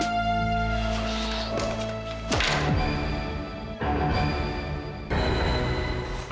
nelah sudara mau pergi deh